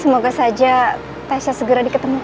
semoga saja tasha segera diketemukan